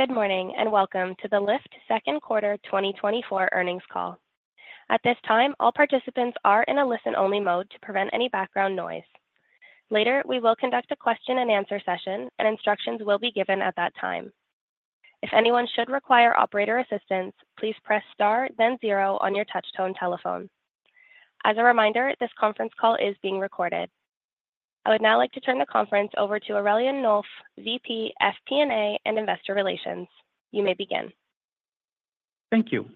Good morning, and welcome to the Lyft second quarter 2024 earnings call. At this time, all participants are in a listen-only mode to prevent any background noise. Later, we will conduct a question and answer session, and instructions will be given at that time. If anyone should require operator assistance, please press Star then zero on your touchtone telephone. As a reminder, this conference call is being recorded. I would now like to turn the conference over to Aurélien Nolf, VP, FP&A, and Investor Relations. You may begin. Thank you.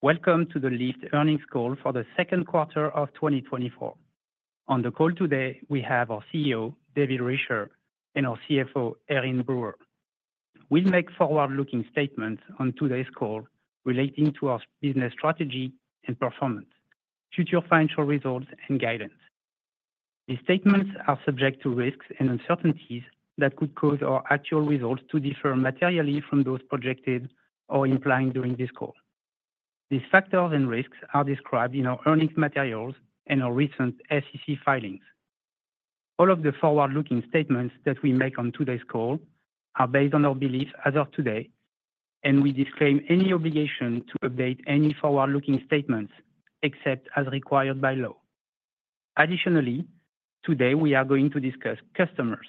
Welcome to the Lyft earnings call for the second quarter of 2024. On the call today, we have our CEO, David Risher, and our CFO, Erin Brewer. We'll make forward-looking statements on today's call relating to our business strategy and performance, future financial results, and guidance. These statements are subject to risks and uncertainties that could cause our actual results to differ materially from those projected or implied during this call. These factors and risks are described in our earnings materials and our recent SEC filings. All of the forward-looking statements that we make on today's call are based on our beliefs as of today, and we disclaim any obligation to update any forward-looking statements except as required by law. Additionally, today we are going to discuss customers.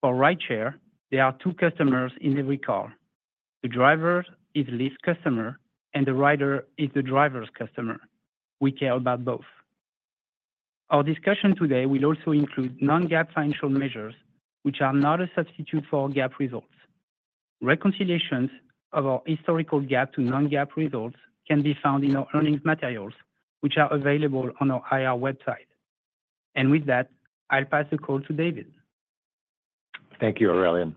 For Rideshare, there are two customers in every car. The driver is Lyft's customer, and the rider is the driver's customer. We care about both. Our discussion today will also include non-GAAP financial measures, which are not a substitute for our GAAP results. Reconciliations of our historical GAAP to non-GAAP results can be found in our earnings materials, which are available on our IR website. With that, I'll pass the call to David. Thank you, Aurélien.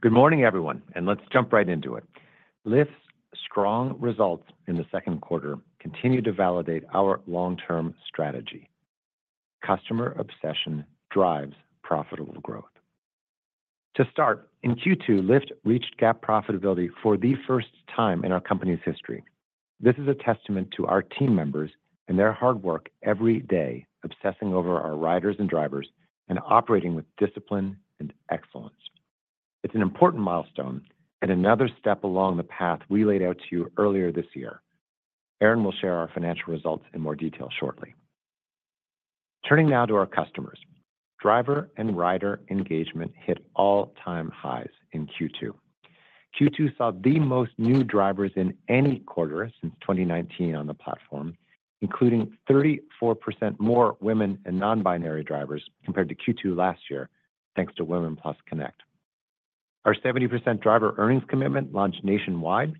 Good morning, everyone, and let's jump right into it. Lyft's strong results in the second quarter continue to validate our long-term strategy. Customer obsession drives profitable growth. To start, in Q2, Lyft reached GAAP profitability for the first time in our company's history. This is a testament to our team members and their hard work every day, obsessing over our riders and drivers and operating with discipline and excellence. It's an important milestone and another step along the path we laid out to you earlier this year. Erin will share our financial results in more detail shortly. Turning now to our customers. Driver and rider engagement hit all-time highs in Q2. Q2 saw the most new drivers in any quarter since 2019 on the platform, including 34% more women and non-binary drivers compared to Q2 last year, thanks to Women+ Connect. Our 70% Driver Earnings Commitment launched nationwide,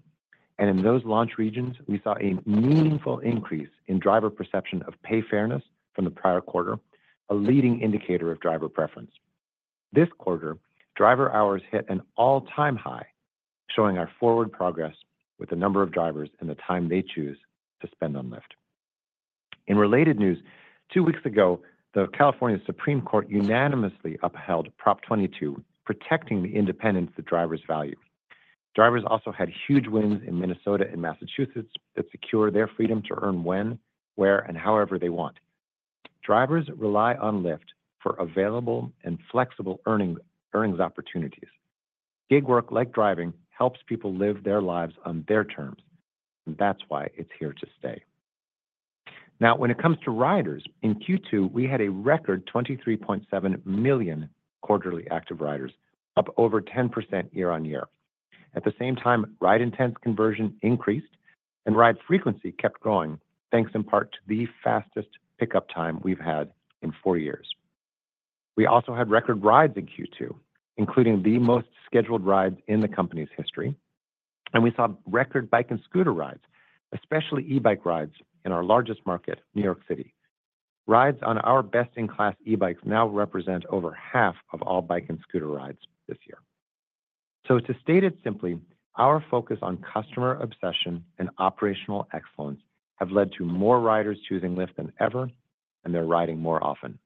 and in those launch regions, we saw a meaningful increase in driver perception of pay fairness from the prior quarter, a leading indicator of driver preference. This quarter, driver hours hit an all-time high, showing our forward progress with the number of drivers and the time they choose to spend on Lyft. In related news, two weeks ago, the California Supreme Court unanimously upheld Prop 22, protecting the independence that drivers value. Drivers also had huge wins in Minnesota and Massachusetts that secure their freedom to earn when, where, and however they want. Drivers rely on Lyft for available and flexible earning, earnings opportunities. gig work, like driving, helps people live their lives on their terms, and that's why it's here to stay. Now, when it comes to riders, in Q2, we had a record 23.7 million quarterly active riders, up over 10% year-on-year. At the same time, ride intent conversion increased and ride frequency kept growing, thanks in part to the fastest pickup time we've had in 4 years. We also had record rides in Q2, including the most scheduled rides in the company's history, and we saw record bike and scooter rides, especially e-bike rides in our largest market, New York City. Rides on our best-in-class e-bikes now represent over half of all bike and scooter rides this year. So to state it simply, our focus on customer obsession and operational excellence have led to more riders choosing Lyft than ever, and they're riding more often.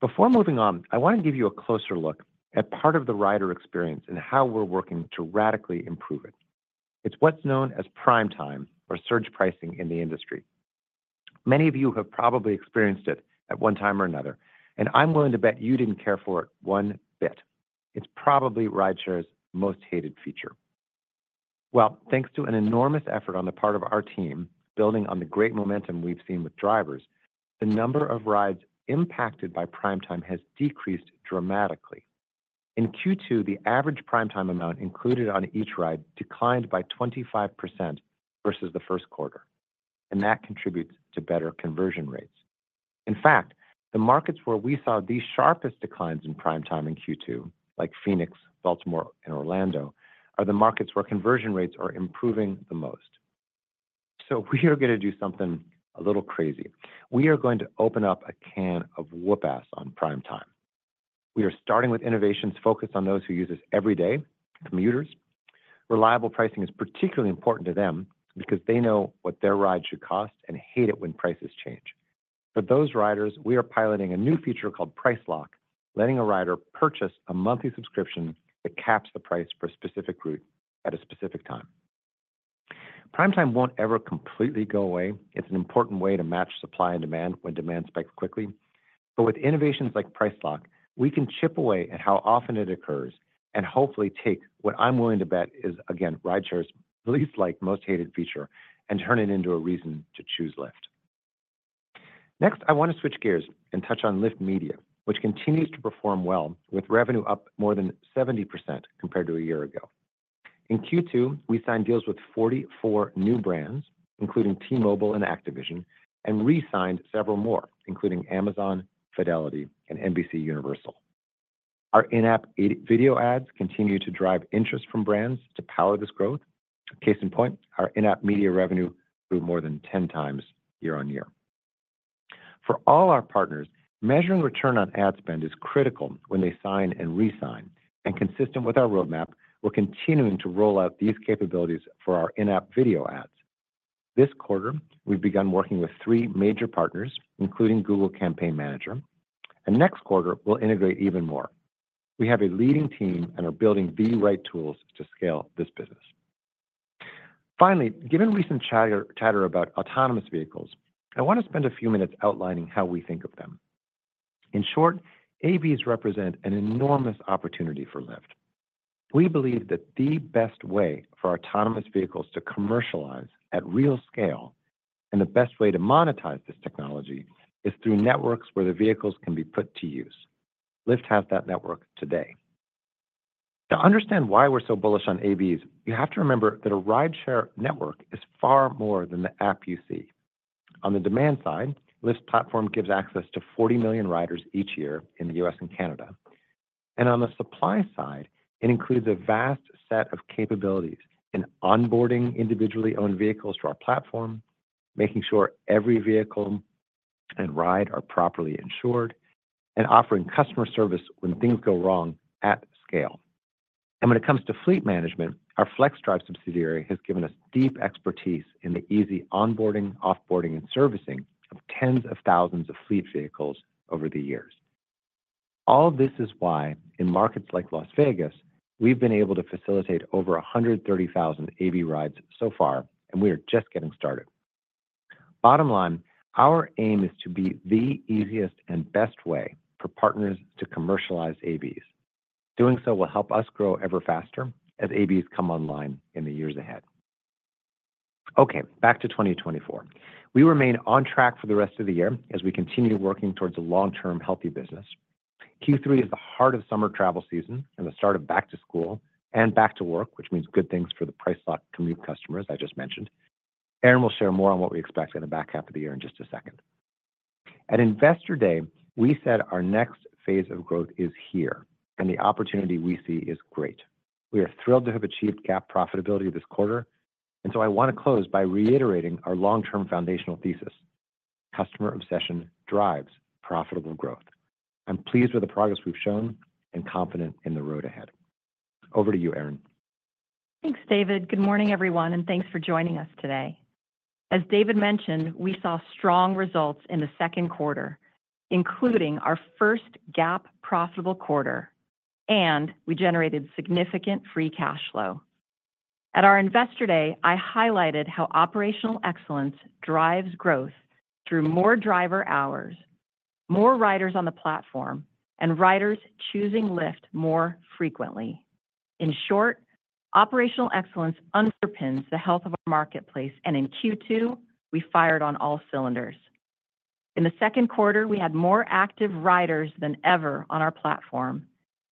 Before moving on, I want to give you a closer look at part of the rider experience and how we're working to radically improve it. It's what's known as Prime Time or surge pricing in the industry. Many of you have probably experienced it at one time or another, and I'm willing to bet you didn't care for it one bit. It's probably rideshare's most hated feature. Well, thanks to an enormous effort on the part of our team, building on the great momentum we've seen with drivers, the number of rides impacted by Prime Time has decreased dramatically. In Q2, the average Prime Time amount included on each ride declined by 25% versus the first quarter, and that contributes to better conversion rates. In fact, the markets where we saw the sharpest declines in Prime Time in Q2, like Phoenix, Baltimore, and Orlando, are the markets where conversion rates are improving the most. So we are gonna do something a little crazy. We are going to open up a can of whoop-ass on Prime Time. We are starting with innovations focused on those who use this every day, commuters. Reliable pricing is particularly important to them because they know what their ride should cost and hate it when prices change. For those riders, we are piloting a new feature called Price Lock, letting a rider purchase a monthly subscription that caps the price for a specific route at a specific time.... Prime Time won't ever completely go away. It's an important way to match supply and demand when demand spikes quickly. But with innovations like Price Lock, we can chip away at how often it occurs and hopefully take what I'm willing to bet is, again, rideshare's least liked, most hated feature, and turn it into a reason to choose Lyft. Next, I want to switch gears and touch on Lyft Media, which continues to perform well, with revenue up more than 70% compared to a year ago. In Q2, we signed deals with 44 new brands, including T-Mobile and Activision, and re-signed several more, including Amazon, Fidelity, and NBCUniversal. Our in-app native video ads continue to drive interest from brands to power this growth. Case in point, our in-app media revenue grew more than 10 times year-over-year. For all our partners, measuring return on ad spend is critical when they sign and re-sign. Consistent with our roadmap, we're continuing to roll out these capabilities for our in-app video ads. This quarter, we've begun working with three major partners, including Google Campaign Manager, and next quarter, we'll integrate even more. We have a leading team and are building the right tools to scale this business. Finally, given recent chatter about autonomous vehicles, I want to spend a few minutes outlining how we think of them. In short, AVs represent an enormous opportunity for Lyft. We believe that the best way for autonomous vehicles to commercialize at real scale, and the best way to monetize this technology, is through networks where the vehicles can be put to use. Lyft has that network today. To understand why we're so bullish on AVs, you have to remember that a rideshare network is far more than the app you see. On the demand side, Lyft's platform gives access to 40 million riders each year in the U.S. and Canada. On the supply side, it includes a vast set of capabilities in onboarding individually owned vehicles to our platform, making sure every vehicle and ride are properly insured, and offering customer service when things go wrong at scale. When it comes to fleet management, our Flexdrive subsidiary has given us deep expertise in the easy onboarding, off-boarding, and servicing of tens of thousands of fleet vehicles over the years. All of this is why, in markets like Las Vegas, we've been able to facilitate over 130,000 AV rides so far, and we are just getting started. Bottom line, our aim is to be the easiest and best way for partners to commercialize AVs. Doing so will help us grow ever faster as AVs come online in the years ahead. Okay, back to 2024. We remain on track for the rest of the year as we continue working towards a long-term, healthy business. Q3 is the heart of summer travel season and the start of back to school and back to work, which means good things for the Price Lock commute customers I just mentioned. Erin will share more on what we expect in the back half of the year in just a second. At Investor Day, we said our next phase of growth is here, and the opportunity we see is great. We are thrilled to have achieved GAAP profitability this quarter, and so I want to close by reiterating our long-term foundational thesis: customer obsession drives profitable growth. I'm pleased with the progress we've shown and confident in the road ahead. Over to you, Erin. Thanks, David. Good morning, everyone, and thanks for joining us today. As David mentioned, we saw strong results in the second quarter, including our first GAAP profitable quarter, and we generated significant free cash flow. At our Investor Day, I highlighted how operational excellence drives growth through more driver hours, more riders on the platform, and riders choosing Lyft more frequently. In short, operational excellence underpins the health of our marketplace, and in Q2, we fired on all cylinders. In the second quarter, we had more active riders than ever on our platform,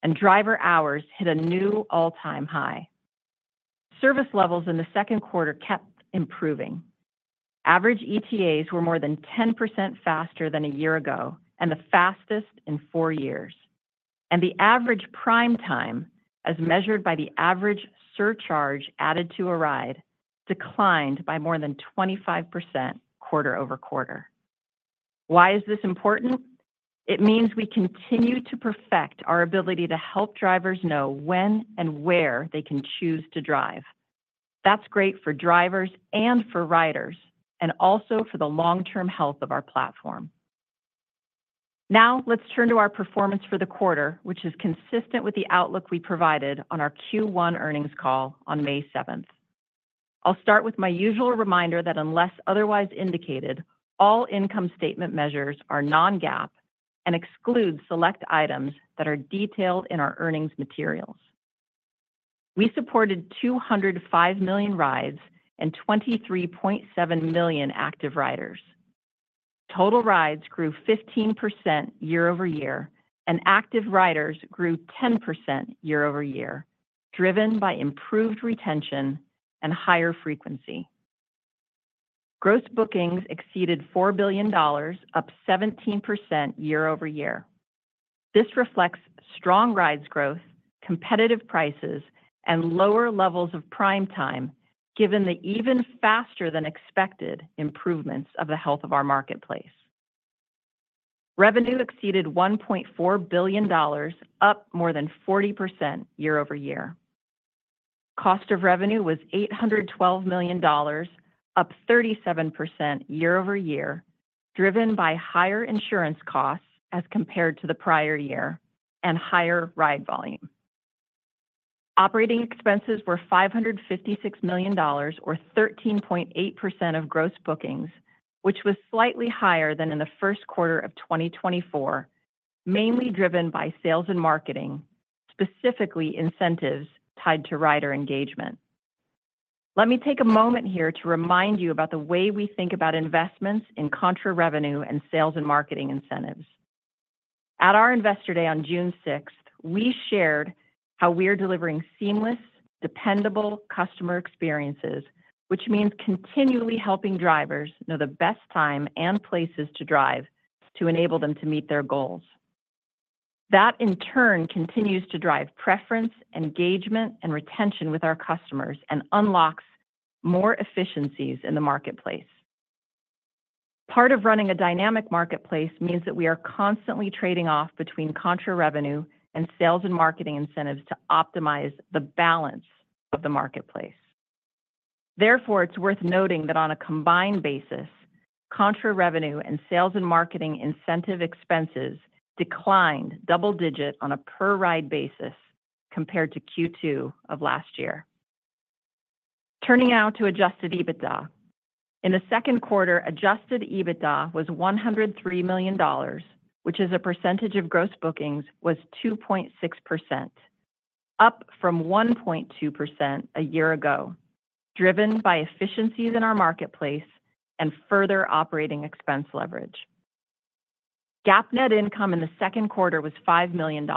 and driver hours hit a new all-time high. Service levels in the second quarter kept improving. Average ETAs were more than 10% faster than a year ago and the fastest in four years. The average Prime Time, as measured by the average surcharge added to a ride, declined by more than 25% quarter-over-quarter. Why is this important? It means we continue to perfect our ability to help drivers know when and where they can choose to drive. That's great for drivers and for riders, and also for the long-term health of our platform. Now, let's turn to our performance for the quarter, which is consistent with the outlook we provided on our Q1 earnings call on May seventh. I'll start with my usual reminder that unless otherwise indicated, all income statement measures are non-GAAP and exclude select items that are detailed in our earnings materials. We supported 205 million rides and 23.7 million active riders. Total rides grew 15% year-over-year, and active riders grew 10% year-over-year, driven by improved retention and higher frequency. Gross bookings exceeded $4 billion, up 17% year-over-year. This reflects strong rides growth, competitive prices, and lower levels of Prime Time, given the even faster than expected improvements of the health of our marketplace. Revenue exceeded $1.4 billion, up more than 40% year-over-year. Cost of revenue was $812 million, up 37% year-over-year, driven by higher insurance costs as compared to the prior year and higher ride volume.... Operating expenses were $556 million or 13.8% of gross bookings, which was slightly higher than in the first quarter of 2024, mainly driven by sales and marketing, specifically incentives tied to rider engagement. Let me take a moment here to remind you about the way we think about investments in contra revenue and sales and marketing incentives. At our Investor Day on June 6, we shared how we are delivering seamless, dependable customer experiences, which means continually helping drivers know the best time and places to drive to enable them to meet their goals. That, in turn, continues to drive preference, engagement, and retention with our customers and unlocks more efficiencies in the marketplace. Part of running a dynamic marketplace means that we are constantly trading off between contra revenue and sales and marketing incentives to optimize the balance of the marketplace. Therefore, it's worth noting that on a combined basis, contra revenue and sales and marketing incentive expenses declined double digit on a per-ride basis compared to Q2 of last year. Turning now to Adjusted EBITDA. In the second quarter, adjusted EBITDA was $103 million, which as a percentage of gross bookings was 2.6%, up from 1.2% a year ago, driven by efficiencies in our marketplace and further operating expense leverage. GAAP net income in the second quarter was $5 million.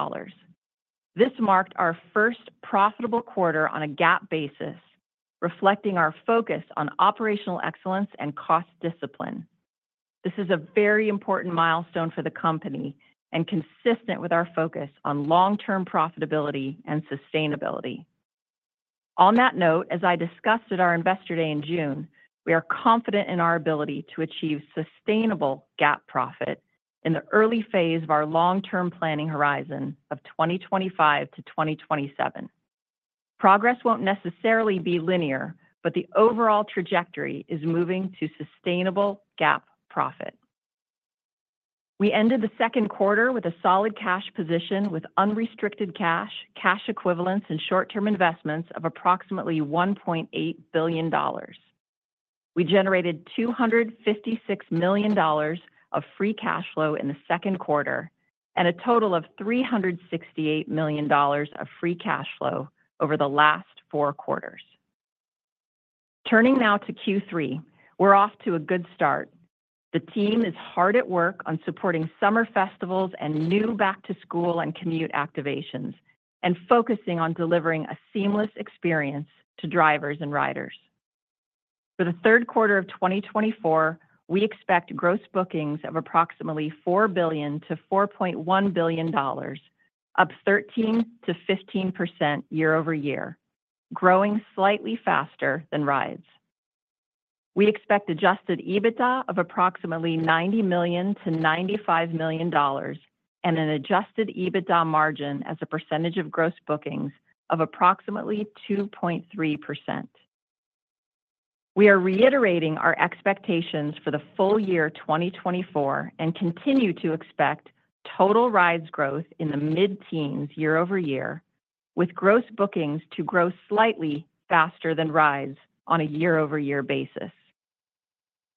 This marked our first profitable quarter on a GAAP basis, reflecting our focus on operational excellence and cost discipline. This is a very important milestone for the company and consistent with our focus on long-term profitability and sustainability. On that note, as I discussed at our Investor Day in June, we are confident in our ability to achieve sustainable GAAP profit in the early phase of our long-term planning horizon of 2025 to 2027. Progress won't necessarily be linear, but the overall trajectory is moving to sustainable GAAP profit. We ended the second quarter with a solid cash position with unrestricted cash, cash equivalents, and short-term investments of approximately $1.8 billion. We generated $256 million of free cash flow in the second quarter and a total of $368 million of free cash flow over the last four quarters. Turning now to Q3, we're off to a good start. The team is hard at work on supporting summer festivals and new back-to-school and commute activations, and focusing on delivering a seamless experience to drivers and riders. For the third quarter of 2024, we expect gross bookings of approximately $4 billion-$4.1 billion, up 13%-15% year-over-year, growing slightly faster than rides. We expect Adjusted EBITDA of approximately $90 million-$95 million and an Adjusted EBITDA margin as a percentage of gross bookings of approximately 2.3%. We are reiterating our expectations for the full year 2024, and continue to expect total rides growth in the mid-teens year-over-year, with gross bookings to grow slightly faster than rides on a year-over-year basis.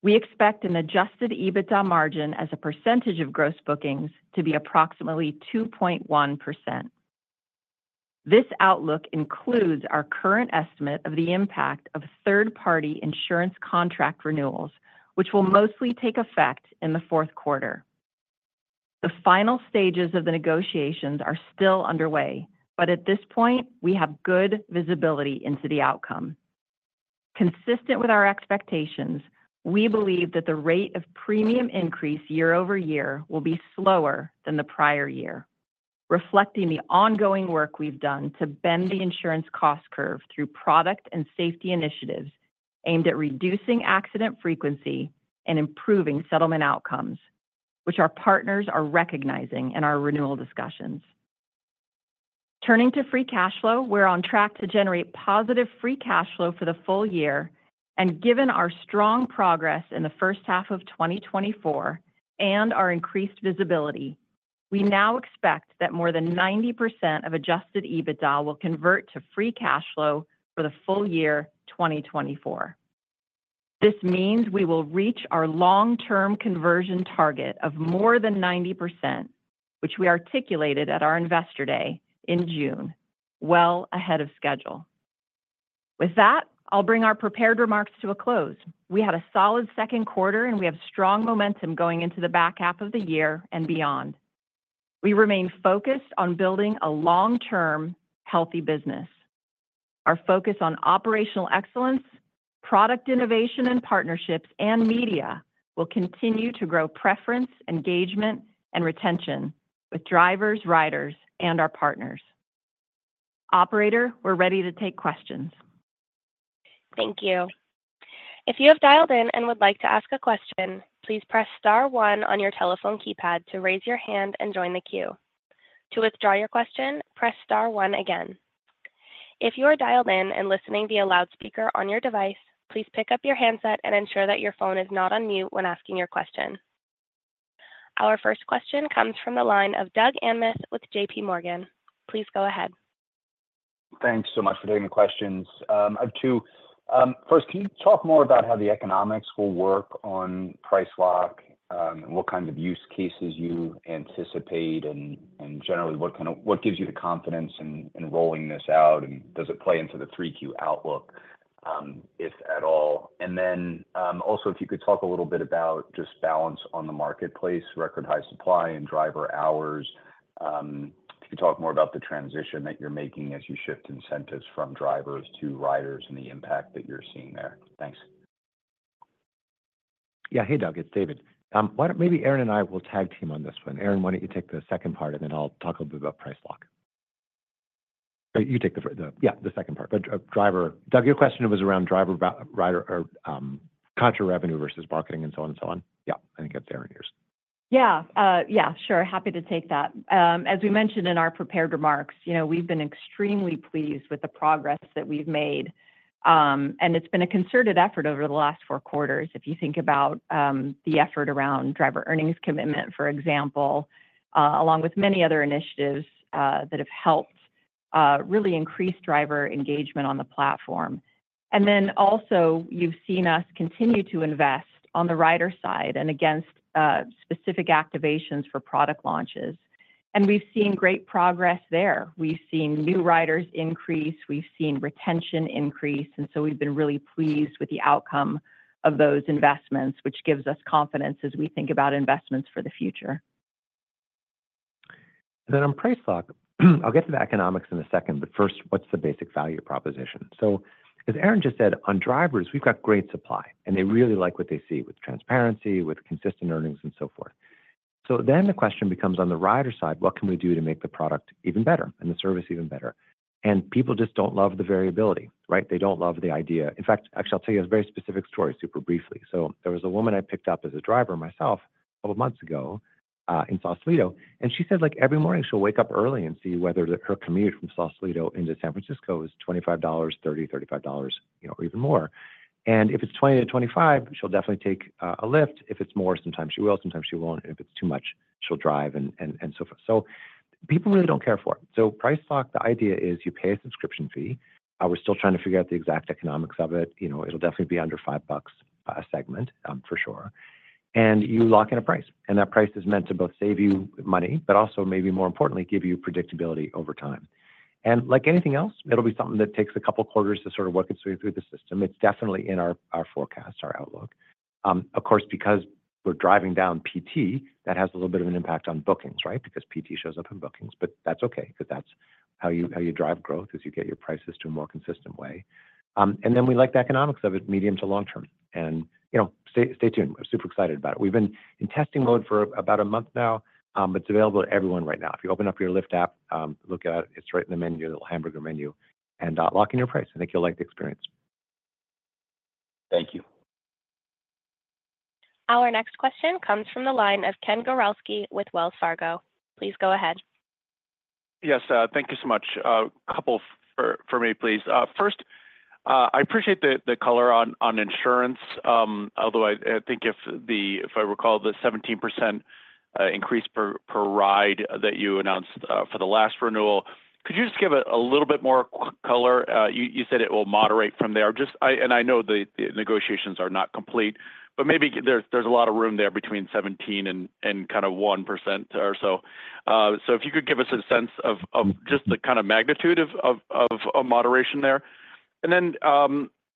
We expect an Adjusted EBITDA margin as a percentage of gross bookings to be approximately 2.1%. This outlook includes our current estimate of the impact of third-party insurance contract renewals, which will mostly take effect in the fourth quarter. The final stages of the negotiations are still underway, but at this point, we have good visibility into the outcome. Consistent with our expectations, we believe that the rate of premium increase year-over-year will be slower than the prior year, reflecting the ongoing work we've done to bend the insurance cost curve through product and safety initiatives aimed at reducing accident frequency and improving settlement outcomes, which our partners are recognizing in our renewal discussions. Turning to Free Cash Flow, we're on track to generate positive Free Cash Flow for the full year, and given our strong progress in the first half of 2024 and our increased visibility, we now expect that more than 90% of Adjusted EBITDA will convert to Free Cash Flow for the full year 2024. This means we will reach our long-term conversion target of more than 90%, which we articulated at our Investor Day in June, well ahead of schedule. With that, I'll bring our prepared remarks to a close. We had a solid second quarter, and we have strong momentum going into the back half of the year and beyond. We remain focused on building a long-term, healthy business. Our focus on operational excellence, product innovation and partnerships, and media will continue to grow preference, engagement, and retention with drivers, riders, and our partners. Operator, we're ready to take questions. Thank you. If you have dialed in and would like to ask a question, please press star one on your telephone keypad to raise your hand and join the queue. To withdraw your question, press star one again. If you are dialed in and listening via loudspeaker on your device, please pick up your handset and ensure that your phone is not on mute when asking your question.... Our first question comes from the line of Doug Anmuth with JPMorgan. Please go ahead. Thanks so much for taking the questions. I have two. First, can you talk more about how the economics will work on Price Lock, and what kind of use cases you anticipate, and generally, what gives you the confidence in rolling this out, and does it play into the 3Q outlook, if at all? And then, also, if you could talk a little bit about just balance on the marketplace, record high supply and driver hours. If you could talk more about the transition that you're making as you shift incentives from drivers to riders and the impact that you're seeing there. Thanks. Yeah. Hey, Doug, it's David. Maybe Erin and I will tag team on this one? Erin, why don't you take the second part, and then I'll talk a little bit about Price Lock. You take the second part, about driver. Doug, your question was around driver, rider or contra revenue versus marketing and so on and so on? Yeah, I think that's Erin's. Yeah, yeah, sure. Happy to take that. As we mentioned in our prepared remarks, you know, we've been extremely pleased with the progress that we've made. And it's been a concerted effort over the last four quarters. If you think about, the effort around Driver Earnings Commitment, for example, along with many other initiatives, that have helped, really increase driver engagement on the platform. And then also, you've seen us continue to invest on the rider side and against, specific activations for product launches, and we've seen great progress there. We've seen new riders increase, we've seen retention increase, and so we've been really pleased with the outcome of those investments, which gives us confidence as we think about investments for the future. Then on Price Lock, I'll get to the economics in a second, but first, what's the basic value proposition? So as Erin just said, on drivers, we've got great supply, and they really like what they see with transparency, with consistent earnings, and so forth. So then the question becomes, on the rider side, what can we do to make the product even better and the service even better? And people just don't love the variability, right? They don't love the idea. In fact, actually, I'll tell you a very specific story, super briefly. So there was a woman I picked up as a driver myself a couple of months ago in Sausalito, and she said, like, every morning, she'll wake up early and see whether her commute from Sausalito into San Francisco is $25, $30, $35, you know, or even more. If it's 20-25, she'll definitely take a Lyft. If it's more, sometimes she will, sometimes she won't, and if it's too much, she'll drive, and so forth. So people really don't care for it. So Price Lock, the idea is you pay a subscription fee. We're still trying to figure out the exact economics of it. You know, it'll definitely be under $5 a segment, for sure. And you lock in a price, and that price is meant to both save you money, but also, maybe more importantly, give you predictability over time. And like anything else, it'll be something that takes a couple of quarters to sort of work its way through the system. It's definitely in our forecast, our outlook. Of course, because we're driving down PT, that has a little bit of an impact on bookings, right? Because PT shows up in bookings. But that's okay, because that's how you, how you drive growth, is you get your prices to a more consistent way. And then we like the economics of it, medium to long term. And, you know, stay, stay tuned. We're super excited about it. We've been in testing mode for about a month now, but it's available to everyone right now. If you open up your Lyft app, look at it, it's right in the menu, the little hamburger menu, and, lock in your price. I think you'll like the experience. Thank you. Our next question comes from the line of Ken Gawrelski with Wells Fargo. Please go ahead. Yes, thank you so much. A couple for me, please. First, I appreciate the color on insurance, although I think if I recall, the 17% increase per ride that you announced for the last renewal. Could you just give a little bit more color? You said it will moderate from there. Just, and I know the negotiations are not complete, but maybe there's a lot of room there between 17% and kinda 1% or so. So if you could give us a sense of just the kinda magnitude of moderation there. And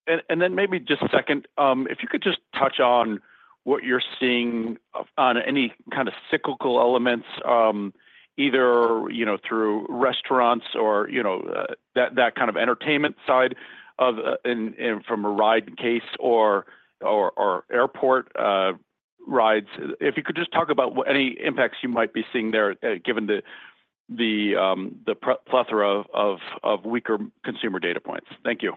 then maybe just second, if you could just touch on what you're seeing on any kinda cyclical elements, either, you know, through restaurants or, you know, that kind of entertainment side of, and from a ride case or airport rides. If you could just talk about any impacts you might be seeing there, given the plethora of weaker consumer data points. Thank you.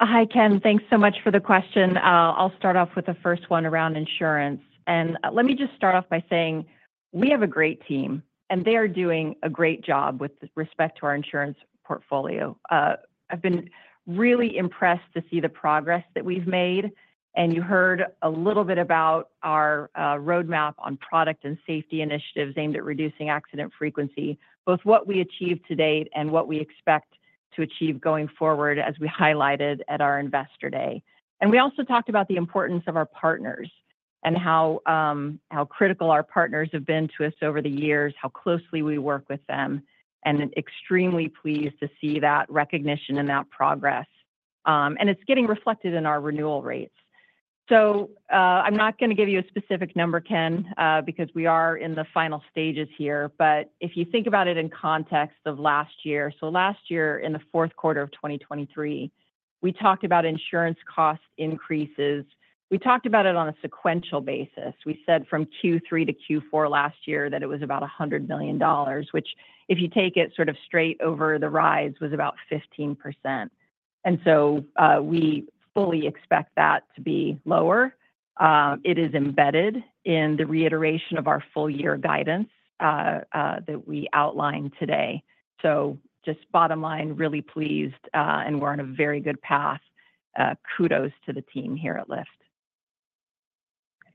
Hi, Ken. Thanks so much for the question. I'll start off with the first one around insurance. Let me just start off by saying we have a great team, and they are doing a great job with respect to our insurance portfolio. I've been really impressed to see the progress that we've made, and you heard a little bit about our roadmap on product and safety initiatives aimed at reducing accident frequency, both what we achieved to date and what we expect to achieve going forward, as we highlighted at our Investor Day. We also talked about the importance of our partners and how critical our partners have been to us over the years, how closely we work with them, and extremely pleased to see that recognition and that progress. It's getting reflected in our renewal rates. So, I'm not gonna give you a specific number, Ken, because we are in the final stages here, but if you think about it in context of last year, so last year, in the fourth quarter of 2023, we talked about insurance cost increases. We talked about it on a sequential basis. We said from Q3 to Q4 last year that it was about $100 million, which, if you take it sort of straight over the rides, was about 15%. And so, we fully expect that to be lower. It is embedded in the reiteration of our full-year guidance, that we outlined today. So just bottom line, really pleased, and we're on a very good path. Kudos to the team here at Lyft....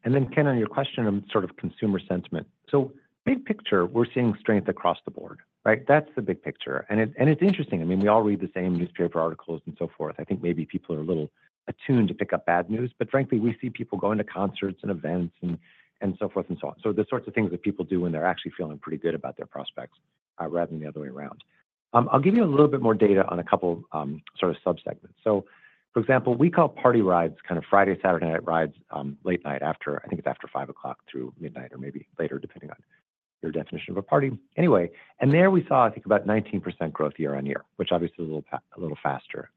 And then, Ken, on your question on sort of consumer sentiment. So big picture, we're seeing strength across the board, right? That's the big picture, and it's interesting. I mean, we all read the same newspaper articles and so forth. I think maybe people are a little attuned to pick up bad news, but frankly, we see people going to concerts and events and so forth and so on. So the sorts of things that people do when they're actually feeling pretty good about their prospects, rather than the other way around. I'll give you a little bit more data on a couple, sort of subsegments. So, for example, we call party rides kind of Friday, Saturday night rides, late night after, I think it's after five o'clock through midnight or maybe later, depending on your definition of a party. Anyway, and there we saw, I think, about 19% growth year-on-year, which obviously is a little faster,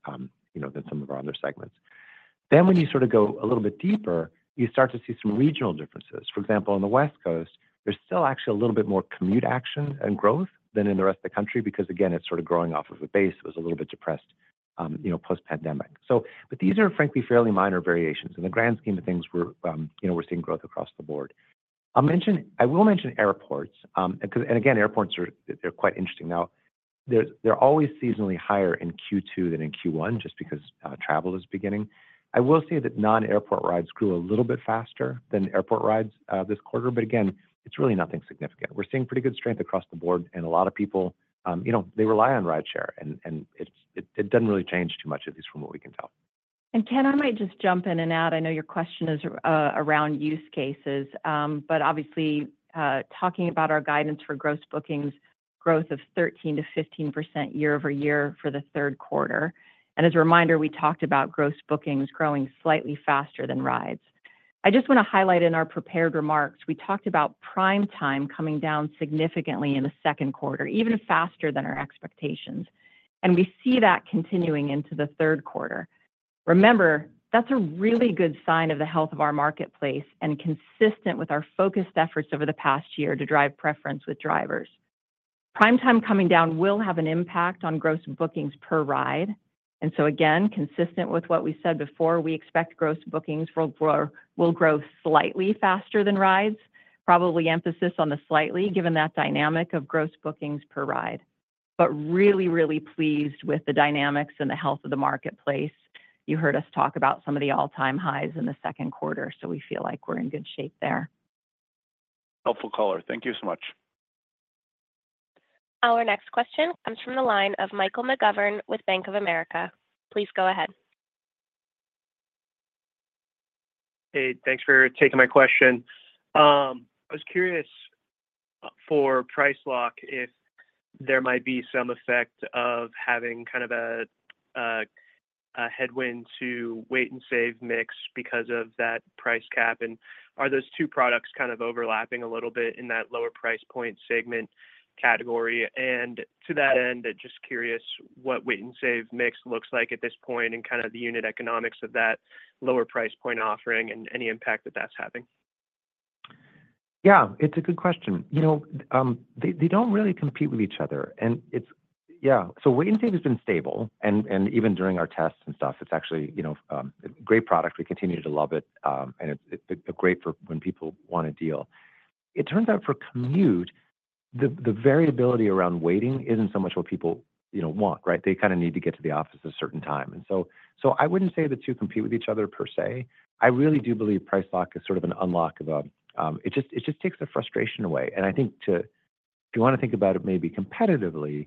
you know, than some of our other segments. Then when you sort of go a little bit deeper, you start to see some regional differences. For example, on the West Coast, there's still actually a little bit more commute action and growth than in the rest of the country because, again, it's sort of growing off of a base that was a little bit depressed, you know, post-pandemic. So, but these are frankly fairly minor variations. In the grand scheme of things, we're, you know, we're seeing growth across the board. I'll mention airports, because... And again, airports are, they're quite interesting. Now, they're, they're always seasonally higher in Q2 than in Q1, just because travel is beginning. I will say that non-airport rides grew a little bit faster than airport rides, this quarter, but again, it's really nothing significant. We're seeing pretty good strength across the board and a lot of people, you know, they rely on rideshare and it doesn't really change too much, at least from what we can tell. And, Ken, I might just jump in and out. I know your question is around use cases, but obviously, talking about our guidance for gross bookings, growth of 13%-15% year-over-year for the third quarter. And as a reminder, we talked about gross bookings growing slightly faster than rides. I just want to highlight in our prepared remarks, we talked about Prime Time coming down significantly in the second quarter, even faster than our expectations. And we see that continuing into the third quarter. Remember, that's a really good sign of the health of our marketplace and consistent with our focused efforts over the past year to drive preference with drivers. Prime Time coming down will have an impact on Gross Bookings per ride, and so again, consistent with what we said before, we expect Gross Bookings will grow, will grow slightly faster than rides. Probably emphasis on the slightly, given that dynamic of Gross Bookings per ride. But really, really pleased with the dynamics and the health of the marketplace. You heard us talk about some of the all-time highs in the second quarter, so we feel like we're in good shape there. Helpful caller. Thank you so much. Our next question comes from the line of Michael McGovern with Bank of America. Please go ahead. Hey, thanks for taking my question. I was curious, for Price Lock, if there might be some effect of having kind of a headwind to Wait & Save mix because of that price cap, and are those two products kind of overlapping a little bit in that lower price point segment category? And to that end, just curious what Wait & Save mix looks like at this point and kind of the unit economics of that lower price point offering and any impact that that's having. Yeah, it's a good question. You know, they don't really compete with each other, and it's... Yeah. So Wait & Save has been stable, and even during our tests and stuff, it's actually, you know, great product. We continue to love it, and it's great for when people want a deal. It turns out for commute, the variability around waiting isn't so much what people, you know, want, right? They kind of need to get to the office at a certain time. So I wouldn't say the two compete with each other per se. I really do believe Price Lock is sort of an unlock about... It just takes the frustration away. I think, too, if you want to think about it maybe competitively,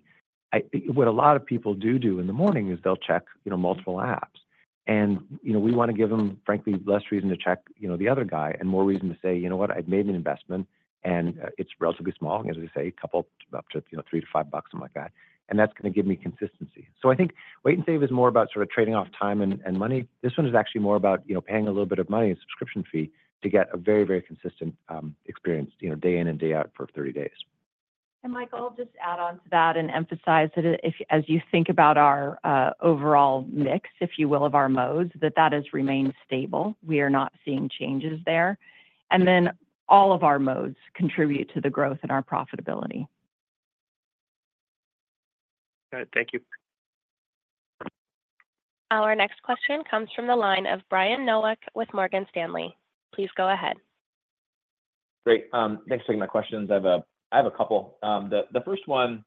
what a lot of people do in the morning is they'll check, you know, multiple apps. You know, we want to give them, frankly, less reason to check, you know, the other guy and more reason to say, "You know what? I've made an investment, and it's relatively small," as we say, a couple up to, you know, $3-$5, something like that, "and that's going to give me consistency." So I think Wait & Save is more about sort of trading off time and money. This one is actually more about, you know, paying a little bit of money, a subscription fee, to get a very, very consistent experience, you know, day in and day out for 30 days. And Michael, I'll just add on to that and emphasize that if, as you think about our overall mix, if you will, of our modes, that that has remained stable. We are not seeing changes there. And then all of our modes contribute to the growth and our profitability. All right. Thank you. Our next question comes from the line of Brian Nowak with Morgan Stanley. Please go ahead. Great. Thanks for taking my questions. I have a couple. The first one,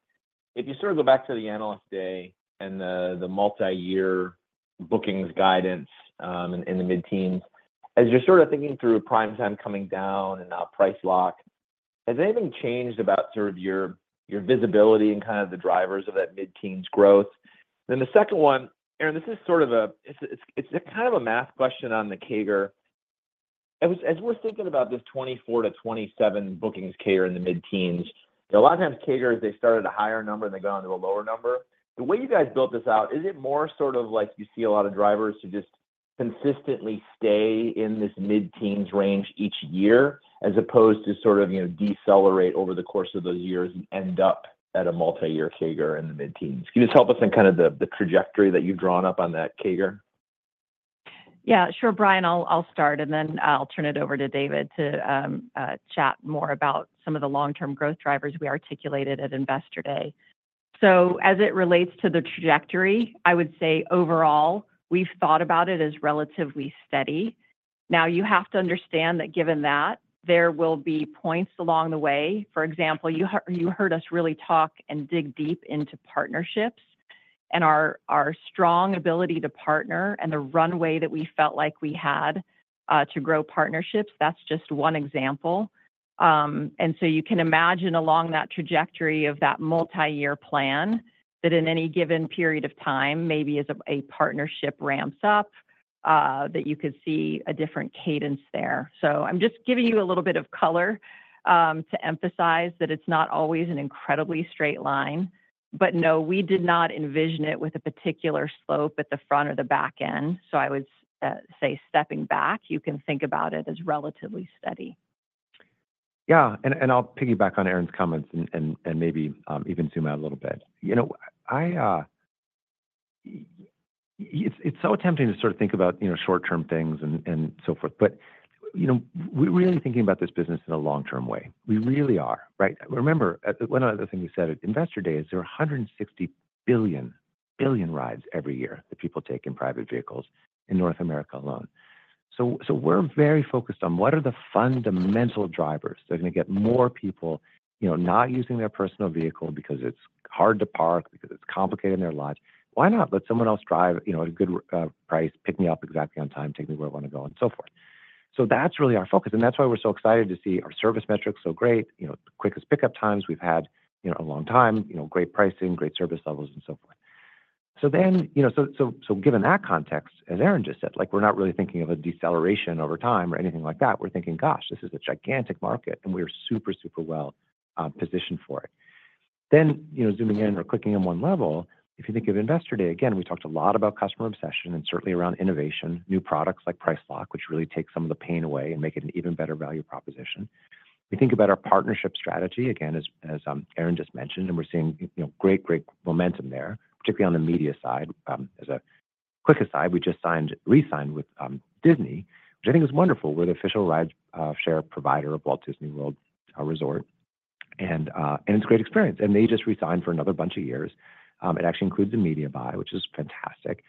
if you sort of go back to the Analyst Day and the multiyear bookings guidance, in the mid-teens, as you're sort of thinking through Prime Time coming down and now Price Lock, has anything changed about sort of your visibility and kind of the drivers of that mid-teens growth? Then the second one, and this is sort of a, it's kind of a math question on the CAGR. As we're thinking about this 2024-2027 bookings CAGR in the mid-teens, a lot of times CAGR, they start at a higher number, and they go on to a lower number. The way you guys built this out, is it more sort of like you see a lot of drivers who just consistently stay in this mid-teens range each year, as opposed to sort of, you know, decelerate over the course of those years and end up at a multiyear CAGR in the mid-teens? Can you just help us in kind of the trajectory that you've drawn up on that CAGR? Yeah, sure, Brian. I'll start, and then I'll turn it over to David to chat more about some of the long-term growth drivers we articulated at Investor Day. So as it relates to the trajectory, I would say overall, we've thought about it as relatively steady. Now, you have to understand that given that, there will be points along the way. For example, you heard us really talk and dig deep into partnerships and our strong ability to partner and the runway that we felt like we had to grow partnerships, that's just one example. And so you can imagine along that trajectory of that multi-year plan, that in any given period of time, maybe as a partnership ramps up, that you could see a different cadence there. So I'm just giving you a little bit of color, to emphasize that it's not always an incredibly straight line, but no, we did not envision it with a particular slope at the front or the back end. So I would say stepping back, you can think about it as relatively steady. Yeah, and I'll piggyback on Erin's comments and maybe even zoom out a little bit. You know, it's so tempting to sort of think about, you know, short-term things and so forth, but, you know, we're really thinking about this business in a long-term way. We really are, right? Remember, one other thing we said at Investor Day is there are 160 billion rides every year that people take in private vehicles in North America alone. So we're very focused on what are the fundamental drivers that are going to get more people, you know, not using their personal vehicle because it's hard to park, because it's complicated in their lives. Why not let someone else drive, you know, a good price, pick me up exactly on time, take me where I want to go, and so forth? So that's really our focus, and that's why we're so excited to see our service metrics so great, you know, the quickest pickup times we've had, you know, a long time, you know, great pricing, great service levels, and so forth. So then, you know, so given that context, as Erin just said, like, we're not really thinking of a deceleration over time or anything like that. We're thinking, gosh, this is a gigantic market, and we are super, super well positioned for it. Then, you know, zooming in or clicking on one level, if you think of Investor Day, again, we talked a lot about customer obsession and certainly around innovation, new products like Price Lock, which really takes some of the pain away and make it an even better value proposition. We think about our partnership strategy, again, as Erin just mentioned, and we're seeing, you know, great, great momentum there, particularly on the media side. As a quick aside, we just re-signed with Disney, which I think is wonderful. We're the official rideshare provider of Walt Disney World Resort, and it's a great experience. And they just re-signed for another bunch of years. It actually includes a media buy, which is fantastic.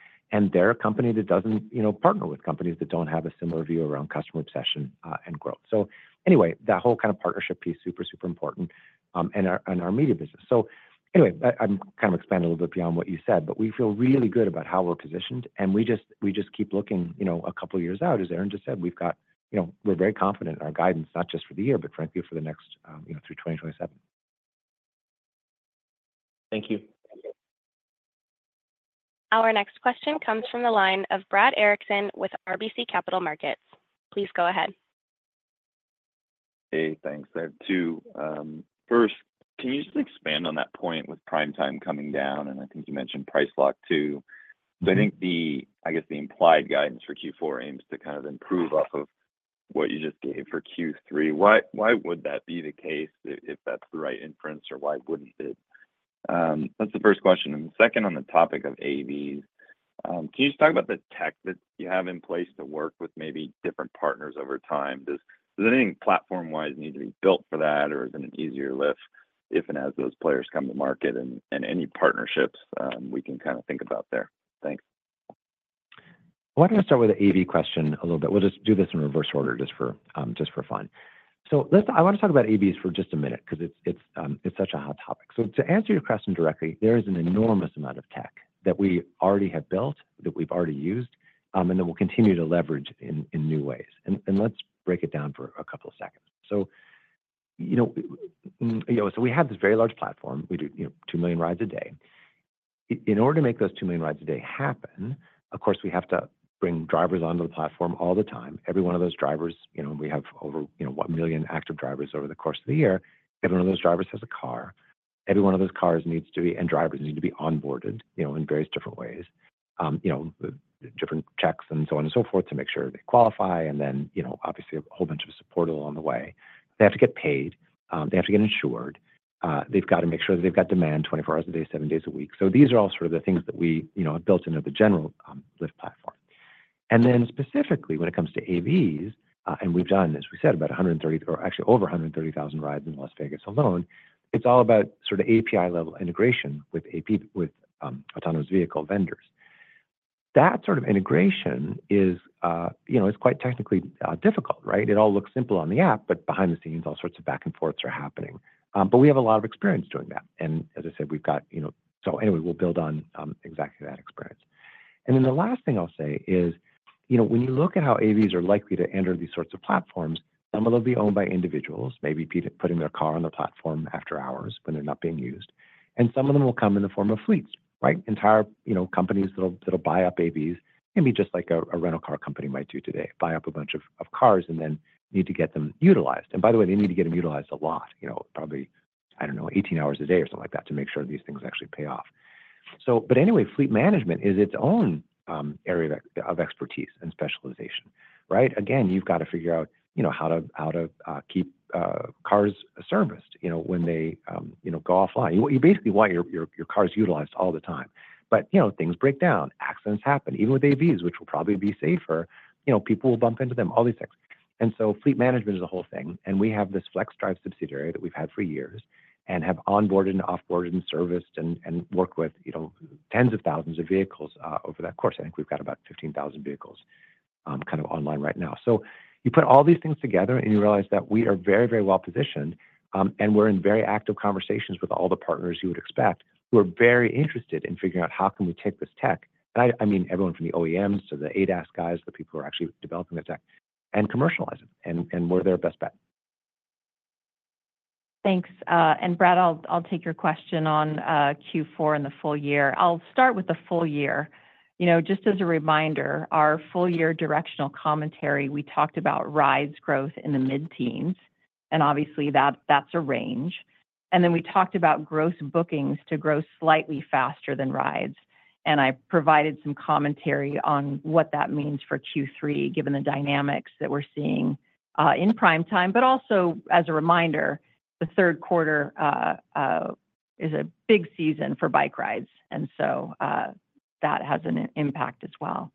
They're a company that doesn't, you know, partner with companies that don't have a similar view around customer obsession, and growth. So anyway, that whole kind of partnership piece, super, super important, and our media business. So anyway, I'm kind of expanding a little bit beyond what you said, but we feel really good about how we're positioned, and we just keep looking, you know, a couple of years out, as Erin just said. We've got... You know, we're very confident in our guidance, not just for the year, but frankly, for the next, you know, through 2027. Thank you. Our next question comes from the line of Brad Erickson with RBC Capital Markets. Please go ahead. Hey, thanks. I have two, first, can you just expand on that point with Prime Time coming down? And I think you mentioned Price Lock, too. So I think the, I guess, the implied guidance for Q4 aims to kind of improve off of what you just gave for Q3. Why, why would that be the case, if that's the right inference, or why wouldn't it? That's the first question. And the second, on the topic of AVs, can you just talk about the tech that you have in place to work with maybe different partners over time? Does anything platform-wise need to be built for that, or is it an easier lift if and as those players come to market, and any partnerships we can kind of think about there? Thanks. Why don't I start with the AV question a little bit? We'll just do this in reverse order just for fun. So I want to talk about AVs for just a minute because it's such a hot topic. So to answer your question directly, there is an enormous amount of tech that we already have built, that we've already used, and that we'll continue to leverage in new ways. And let's break it down for a couple of seconds. So you know, so we have this very large platform. We do, you know, 2 million rides a day. In order to make those 2 million rides a day happen, of course, we have to bring drivers onto the platform all the time. Every one of those drivers, you know, we have over, you know, 1 million active drivers over the course of the year. Every one of those drivers has a car. Every one of those cars needs to be, and drivers need to be onboarded, you know, in various different ways. You know, different checks and so on and so forth to make sure they qualify, and then, you know, obviously, a whole bunch of support along the way. They have to get paid, they have to get insured, they've got to make sure that they've got demand 24 hours a day, 7 days a week. So these are all sort of the things that we, you know, have built into the general Lyft platform. And then specifically, when it comes to AVs, and we've done, as we said, about 130, or actually over 130,000 rides in Las Vegas alone, it's all about sort of API-level integration with autonomous vehicle vendors. That sort of integration is, you know, quite technically difficult, right? It all looks simple on the app, but behind the scenes, all sorts of back and forths are happening. But we have a lot of experience doing that, and as I said, we've got, you know... So anyway, we'll build on exactly that experience. And then the last thing I'll say is, you know, when you look at how AVs are likely to enter these sorts of platforms, some of them will be owned by individuals, maybe putting their car on the platform after hours when they're not being used, and some of them will come in the form of fleets, right? Entire, you know, companies that'll buy up AVs, maybe just like a rental car company might do today, buy up a bunch of cars and then need to get them utilized. And by the way, they need to get them utilized a lot, you know, probably, I don't know, 18 hours a day or something like that, to make sure these things actually pay off. But anyway, fleet management is its own area of expertise and specialization, right? Again, you've got to figure out, you know, how to keep cars serviced, you know, when they go offline. You basically want your cars utilized all the time. But, you know, things break down, accidents happen. Even with AVs, which will probably be safer, you know, people will bump into them, all these things. And so fleet management is a whole thing, and we have this FlexDrive subsidiary that we've had for years and have onboarded, and off-boarded, and serviced, and worked with, you know, tens of thousands of vehicles over that course. I think we've got about 15,000 vehicles kind of online right now. So you put all these things together, and you realize that we are very, very well positioned, and we're in very active conversations with all the partners you would expect, who are very interested in figuring out how can we take this tech. And I mean everyone from the OEMs to the ADAS guys, the people who are actually developing this tech and commercializing it, and we're their best bet. Thanks. And Brad, I'll take your question on Q4 and the full year. I'll start with the full year. You know, just as a reminder, our full year directional commentary, we talked about rides growth in the mid-teens, and obviously that's a range. And then we talked about gross bookings to grow slightly faster than rides. And I provided some commentary on what that means for Q3, given the dynamics that we're seeing in Prime Time, but also, as a reminder, the third quarter is a big season for bike rides, and so that has an impact as well.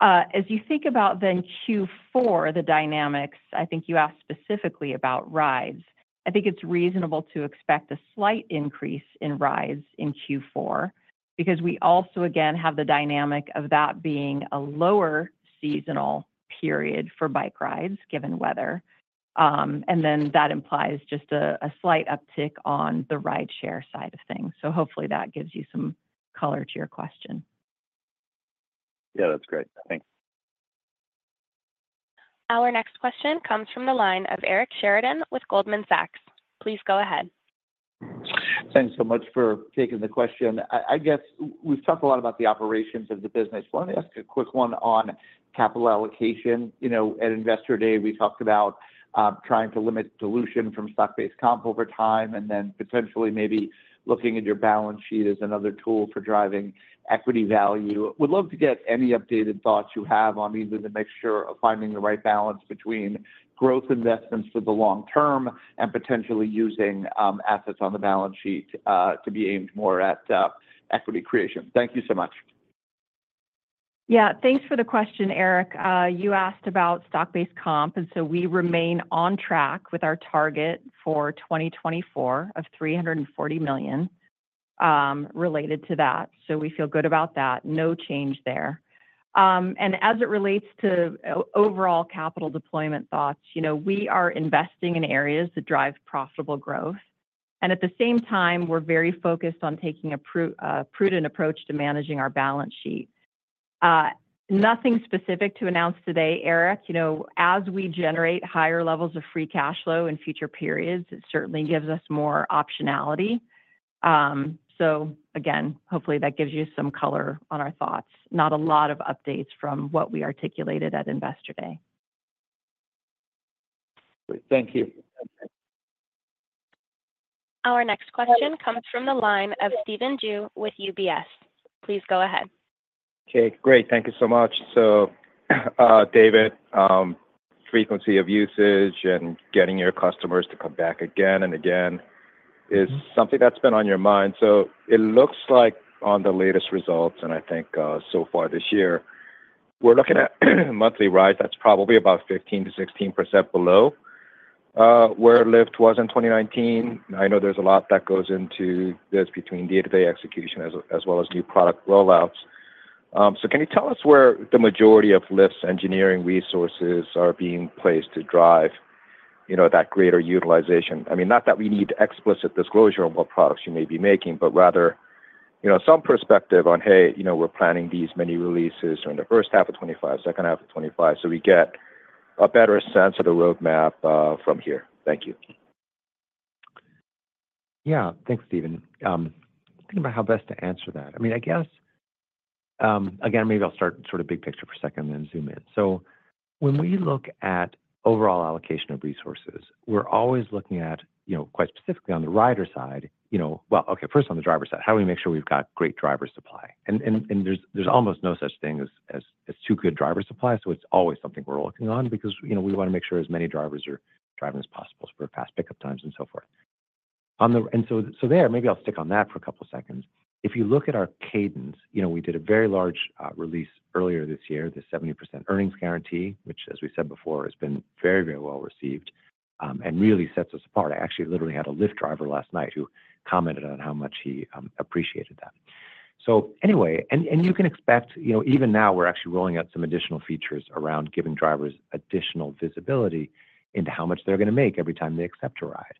As you think about then Q4, the dynamics, I think you asked specifically about rides. I think it's reasonable to expect a slight increase in rides in Q4, because we also again have the dynamic of that being a lower seasonal period for bike rides, given weather. And then that implies just a slight uptick on the rideshare side of things. So hopefully that gives you some color to your question. Yeah, that's great. Thanks. Our next question comes from the line of Eric Sheridan with Goldman Sachs. Please go ahead. Thanks so much for taking the question. I guess we've talked a lot about the operations of the business. Why don't I ask a quick one on capital allocation? You know, at Investor Day, we talked about trying to limit dilution from stock-based comp over time, and then potentially maybe looking at your balance sheet as another tool for driving equity value. Would love to get any updated thoughts you have on either the mixture of finding the right balance between growth investments for the long term, and potentially using assets on the balance sheet to be aimed more at equity creation. Thank you so much. Yeah, thanks for the question, Eric. You asked about stock-based comp, and so we remain on track with our target for 2024 of $340 million related to that. So we feel good about that. No change there. And as it relates to overall capital deployment thoughts, you know, we are investing in areas that drive profitable growth, and at the same time, we're very focused on taking a prudent approach to managing our balance sheet. Nothing specific to announce today, Eric. You know, as we generate higher levels of free cash flow in future periods, it certainly gives us more optionality. So again, hopefully, that gives you some color on our thoughts. Not a lot of updates from what we articulated at Investor Day. Great. Thank you. Our next question comes from the line of Stephen Ju with UBS. Please go ahead. Okay, great. Thank you so much. So, David, frequency of usage and getting your customers to come back again and again is something that's been on your mind. So it looks like on the latest results, and I think, so far this year, we're looking at monthly ride, that's probably about 15%-16% below, where Lyft was in 2019. I know there's a lot that goes into this between day-to-day execution, as well as new product rollouts. So can you tell us where the majority of Lyft's engineering resources are being placed to drive, you know, that greater utilization? I mean, not that we need explicit disclosure on what products you may be making, but rather, you know, some perspective on, hey, you know, we're planning these many releases during the first half of 2025, second half of 2025, so we get a better sense of the roadmap from here. Thank you. Yeah. Thanks, Stephen. Thinking about how best to answer that. I mean, I guess... Again, maybe I'll start sort of big picture for a second, then zoom in. So when we look at overall allocation of resources, we're always looking at, you know, quite specifically on the rider side, you know. Well, okay, first on the driver side, how do we make sure we've got great driver supply? And there's almost no such thing as too good driver supply, so it's always something we're working on because, you know, we wanna make sure as many drivers are driving as possible for fast pickup times and so forth. On the driver side, and so there, maybe I'll stick on that for a couple seconds. If you look at our cadence, you know, we did a very large release earlier this year, the 70% Earnings Guarantee, which, as we said before, has been very, very well received, and really sets us apart. I actually literally had a Lyft driver last night who commented on how much he appreciated that. So anyway, and you can expect, you know, even now, we're actually rolling out some additional features around giving drivers additional visibility into how much they're gonna make every time they accept a ride,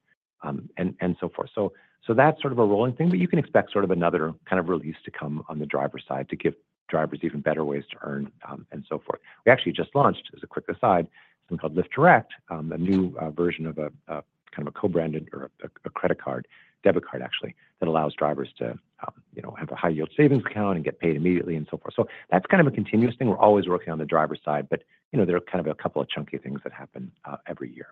and so forth. So that's sort of a rolling thing, but you can expect sort of another kind of release to come on the driver's side to give drivers even better ways to earn, and so forth. We actually just launched, as a quick aside, something called Lyft Direct, a new version of a kind of co-branded or a credit card, debit card actually, that allows drivers to, you know, have a high yield savings account and get paid immediately, and so forth. So that's kind of a continuous thing. We're always working on the driver side, but, you know, there are kind of a couple of chunky things that happen every year.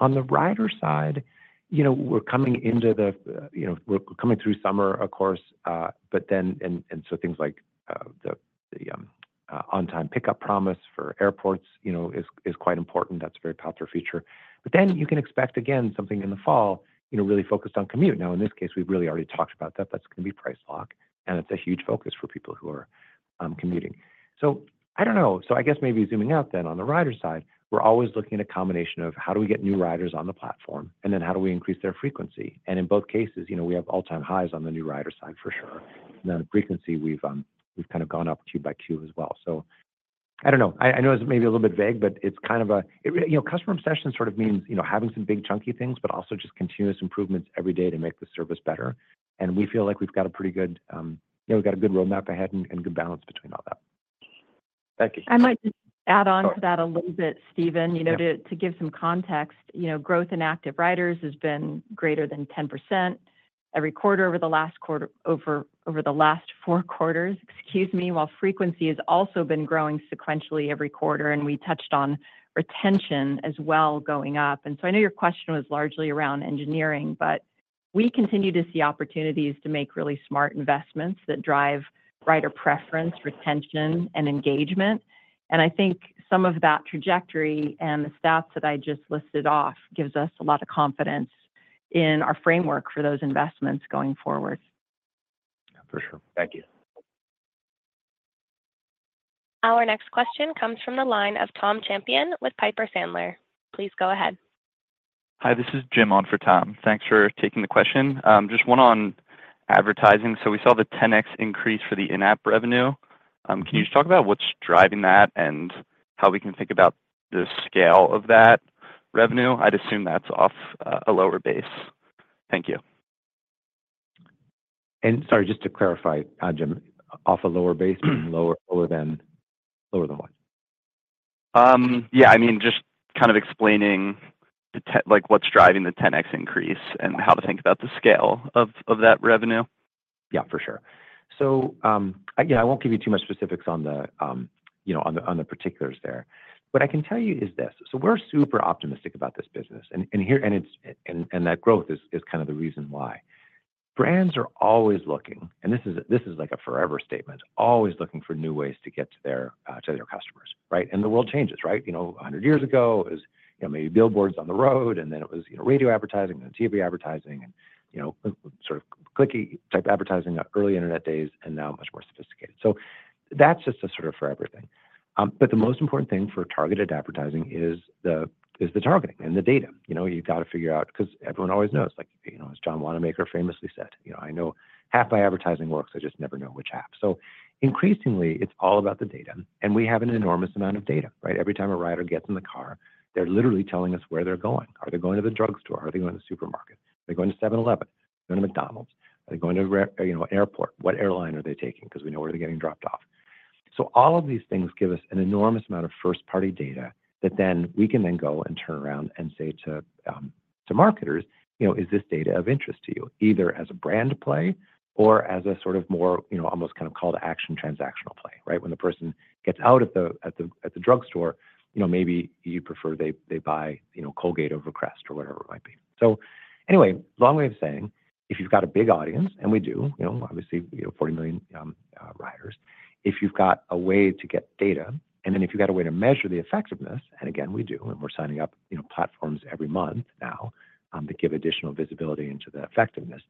On the rider side, you know, we're coming into the, you know, we're coming through summer, of course, but then and so things like the On-Time Pickup Promise for airports, you know, is quite important. That's a very popular feature. But then you can expect, again, something in the fall, you know, really focused on commute. Now, in this case, we've really already talked about that. That's gonna be Price Lock, and it's a huge focus for people who are commuting. So I don't know. So I guess maybe zooming out then on the rider side, we're always looking at a combination of how do we get new riders on the platform, and then how do we increase their frequency? And in both cases, you know, we have all-time highs on the new rider side for sure. And then frequency, we've kind of gone up Q by Q as well. So I don't know. I know it's maybe a little bit vague, but it's kind of it, you know, customer obsession sort of means, you know, having some big chunky things, but also just continuous improvements every day to make the service better, and we feel like we've got a pretty good, you know, we've got a good roadmap ahead and good balance between all that. Thank you. I might just add on to that a little bit, Stephen, you know, to give some context. You know, growth in active riders has been greater than 10% every quarter over the last four quarters, excuse me, while frequency has also been growing sequentially every quarter, and we touched on retention as well, going up. And so I know your question was largely around engineering, but we continue to see opportunities to make really smart investments that drive rider preference, retention, and engagement. And I think some of that trajectory and the stats that I just listed off gives us a lot of confidence in our framework for those investments going forward. Yeah, for sure. Thank you. Our next question comes from the line of Tom Champion with Piper Sandler. Please go ahead. Hi, this is Jim on for Tom. Thanks for taking the question. Just one on advertising. So we saw the 10x increase for the in-app revenue. Can you just talk about what's driving that and how we can think about the scale of that revenue? I'd assume that's off a lower base. Thank you. And sorry, just to clarify, Jim, off a lower base, lower than what? Yeah, I mean, just kind of explaining the—like, what's driving the 10X increase and how to think about the scale of that revenue. Yeah, for sure. So, again, I won't give you too much specifics on the, you know, on the, on the particulars there. What I can tell you is this: so we're super optimistic about this business, and that growth is kind of the reason why. Brands are always looking, and this is, this is, like, a forever statement, always looking for new ways to get to their, to their customers, right? And the world changes, right? You know, 100 years ago, it was, you know, maybe billboards on the road, and then it was, you know, radio advertising, then TV advertising, and, you know, sort of clicky-type advertising, early internet days, and now much more sophisticated. So that's just a sort of forever thing. But the most important thing for targeted advertising is the targeting and the data. You know, you've got to figure out, because everyone always knows, like, you know, as John Wanamaker famously said, "You know, I know half my advertising works, I just never know which half." So increasingly, it's all about the data, and we have an enormous amount of data, right? Every time a rider gets in the car, they're literally telling us where they're going. Are they going to the drugstore? Are they going to the supermarket? Are they going to 7-Eleven? Going to McDonald's? Are they going to, you know, an airport? What airline are they taking? Because we know where they're getting dropped off. So all of these things give us an enormous amount of first-party data that we can go and turn around and say to, to marketers, "You know, is this data of interest to you?" Either as a brand play or as a sort of more, you know, almost kind of call-to-action, transactional play, right? When the person gets out of the at the, at the drugstore, you know, maybe you prefer they buy, you know, Colgate over Crest or whatever it might be. So anyway, long way of saying, if you've got a big audience, and we do, you know, obviously, we have 40 million riders. If you've got a way to get data, and then if you've got a way to measure the effectiveness, and again, we do, and we're signing up, you know, platforms every month now to give additional visibility into the effectiveness.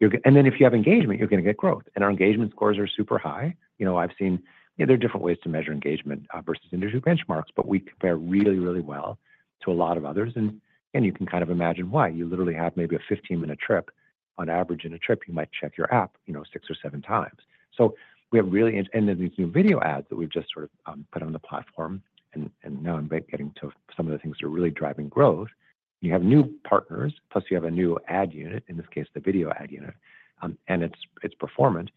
And then if you have engagement, you're gonna get growth, and our engagement scores are super high. You know, I've seen... You know, there are different ways to measure engagement versus industry benchmarks, but we compare really, really well to a lot of others, and you can kind of imagine why. You literally have maybe a 15-minute trip. On average, in a trip, you might check your app, you know, 6 or 7 times. So we have really and then these new video ads that we've just sort of, put on the platform and, and now getting to some of the things that are really driving growth. You have new partners, plus you have a new ad unit, in this case, the video ad unit, and it's, it's performant,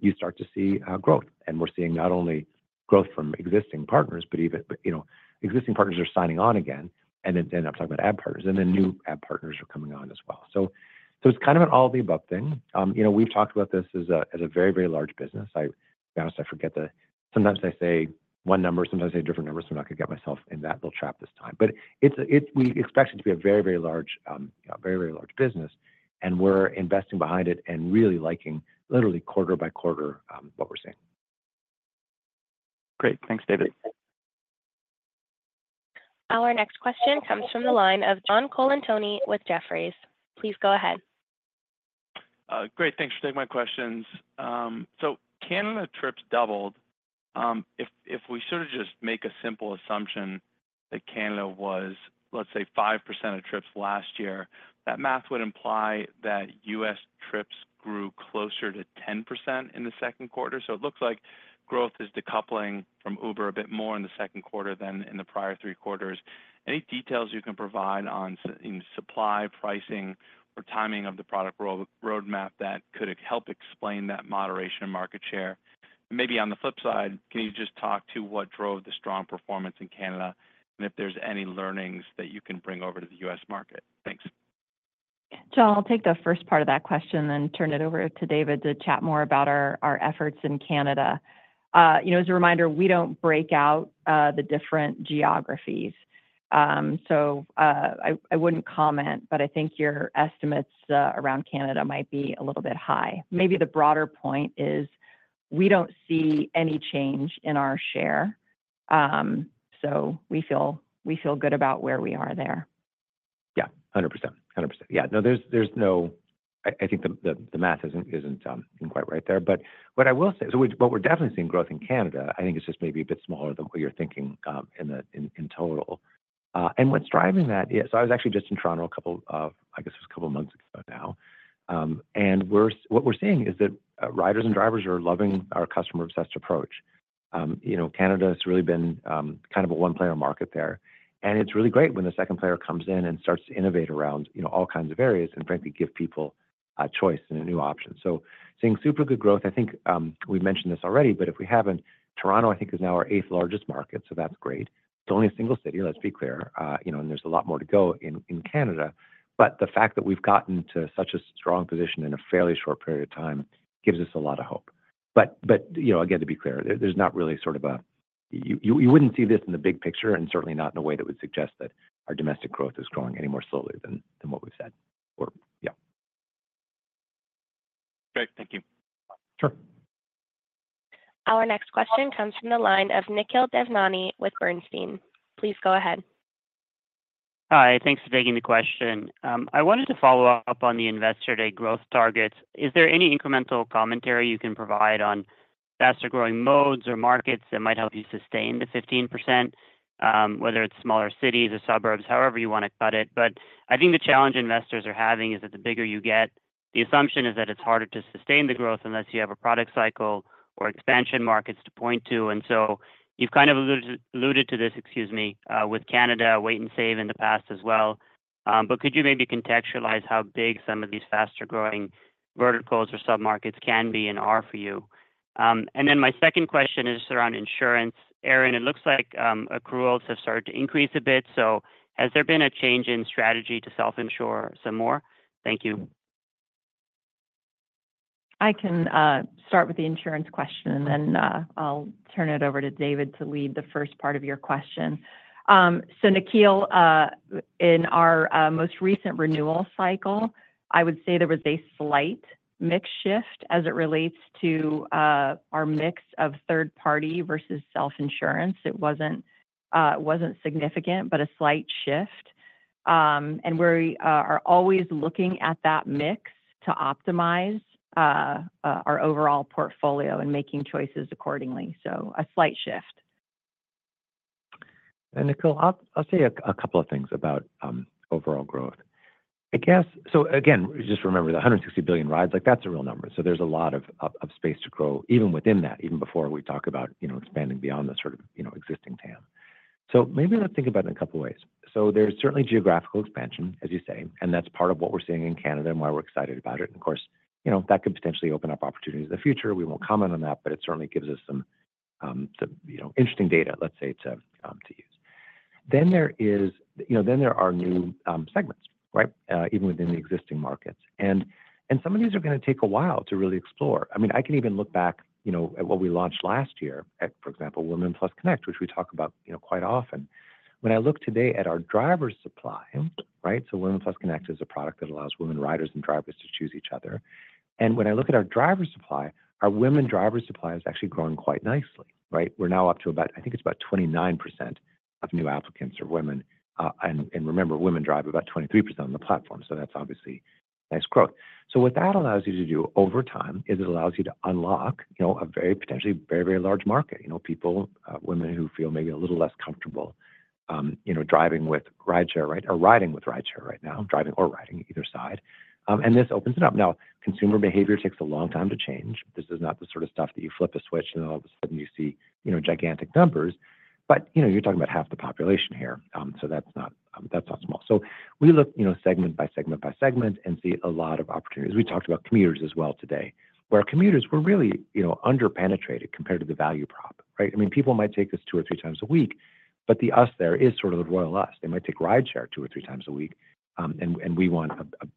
you start to see, growth. And we're seeing not only growth from existing partners, but even, but, you know, existing partners are signing on again, and then, and I'm talking about ad partners, and then new ad partners are coming on as well. So, so it's kind of an all-of-the-above thing. You know, we've talked about this as a, as a very, very large business. Honestly, I forget sometimes I say one number, sometimes I say a different number, so I'm not going to get myself in that little trap this time. But we expect it to be a very, very large, a very, very large business, and we're investing behind it and really liking, literally quarter by quarter, what we're seeing. Great. Thanks, David. Our next question comes from the line of John Colantuoni with Jefferies. Please go ahead. Great. Thanks for taking my questions. So Canada trips doubled. If we sort of just make a simple assumption that Canada was, let's say, 5% of trips last year, that math would imply that US trips grew closer to 10% in the second quarter. So it looks like growth is decoupling from Uber a bit more in the second quarter than in the prior three quarters. Any details you can provide on supply, pricing, or timing of the product roadmap that could help explain that moderation in market share? Maybe on the flip side, can you just talk to what drove the strong performance in Canada, and if there's any learnings that you can bring over to the US market? Thanks. John, I'll take the first part of that question, then turn it over to David to chat more about our, our efforts in Canada. You know, as a reminder, we don't break out the different geographies. I wouldn't comment, but I think your estimates around Canada might be a little bit high. Maybe the broader point is we don't see any change in our share. We feel, we feel good about where we are there. Yeah, 100%. 100%. Yeah. No, there's no—I think the math isn't quite right there. But what I will say, but we're definitely seeing growth in Canada. I think it's just maybe a bit smaller than what you're thinking, in total. And what's driving that is... So I was actually just in Toronto a couple of, I guess, just a couple of months ago now, and what we're seeing is that, riders and drivers are loving our customer-obsessed approach. You know, Canada has really been, kind of a one-player market there, and it's really great when the second player comes in and starts to innovate around, you know, all kinds of areas and frankly, give people a choice and a new option. So seeing super good growth, I think, we've mentioned this already, but if we haven't, Toronto, I think, is now our eighth largest market, so that's great. It's only a single city, let's be clear, you know, and there's a lot more to go in Canada. But the fact that we've gotten to such a strong position in a fairly short period of time gives us a lot of hope. But, you know, again, to be clear, there's not really sort of a... You wouldn't see this in the big picture, and certainly not in a way that would suggest that our domestic growth is growing any more slowly than what we've said or, yeah. Great. Thank you. Sure. Our next question comes from the line of Nikhil Devnani with Bernstein. Please go ahead. Hi, thanks for taking the question. I wanted to follow up on the Investor Day growth targets. Is there any incremental commentary you can provide on faster-growing modes or markets that might help you sustain the 15%? Whether it's smaller cities or suburbs, however you want to cut it. But I think the challenge investors are having is that the bigger you get, the assumption is that it's harder to sustain the growth unless you have a product cycle or expansion markets to point to. And so you've kind of alluded to this, excuse me, with Canada, Wait & Save in the past as well. But could you maybe contextualize how big some of these faster-growing verticals or sub-markets can be and are for you? And then my second question is around insurance. Erin, it looks like, accruals have started to increase a bit, so has there been a change in strategy to self-insure some more? Thank you. I can start with the insurance question, and then I'll turn it over to David to lead the first part of your question. So Nikhil, in our most recent renewal cycle, I would say there was a slight mix shift as it relates to our mix of third party versus self-insurance. It wasn't significant, but a slight shift. And we are always looking at that mix to optimize our overall portfolio and making choices accordingly. So a slight shift. And Nikhil, I'll say a couple of things about overall growth. I guess, so again, just remember the 160 billion rides, like, that's a real number. So there's a lot of space to grow, even within that, even before we talk about, you know, expanding beyond the sort of, you know, existing TAM. So maybe let's think about it in a couple of ways. So there's certainly geographical expansion, as you say, and that's part of what we're seeing in Canada and why we're excited about it. And of course, you know, that could potentially open up opportunities in the future. We won't comment on that, but it certainly gives us some, you know, interesting data, let's say, to use. Then there are new segments, right? Even within the existing markets. Some of these are gonna take a while to really explore. I mean, I can even look back, you know, at what we launched last year, at, for example, Women+ Connect, which we talk about, you know, quite often. When I look today at our driver supply, right? So Women+ Connect is a product that allows women riders and drivers to choose each other. And when I look at our driver supply, our women driver supply is actually growing quite nicely, right? We're now up to about, I think it's about 29% of new applicants are women. And remember, women drive about 23% on the platform, so that's obviously nice growth. So what that allows you to do over time is it allows you to unlock, you know, a very potentially very, very large market. You know, people, women who feel maybe a little less comfortable, you know, driving with rideshare, right, or riding with rideshare right now, driving or riding, either side. And this opens it up. Now, consumer behavior takes a long time to change. This is not the sort of stuff that you flip a switch, and all of a sudden you see, you know, gigantic numbers. But, you know, you're talking about half the population here, so that's not, that's not small. So we look, you know, segment by segment, by segment, and see a lot of opportunities. We talked about commuters as well today, where commuters were really, you know, under-penetrated compared to the value prop, right? I mean, people might take this two or three times a week, but the us there is sort of the royal us. They might take rideshare two or three times a week, and we want,